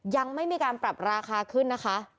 ยังไม่มีการปรับราคาขึ้นนะคะ